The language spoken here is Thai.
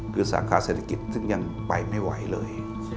คือสาขาเศรษฐกิจซึ่งยังไปไม่ไหวเลย